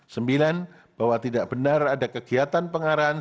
sembilan bahwa tidak benar ada kegiatan pengarahan